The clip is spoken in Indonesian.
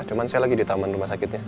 cuma saya lagi di taman rumah sakitnya